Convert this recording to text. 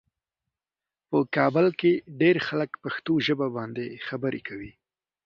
په کابل کې ډېر خلک پښتو ژبه باندې خبرې کوي.